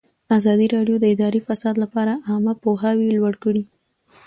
ازادي راډیو د اداري فساد لپاره عامه پوهاوي لوړ کړی.